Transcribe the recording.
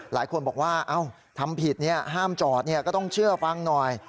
หลายคนบอกว่าทำผิดห้ามจอดก็ต้องเชื่อฟังหน่อย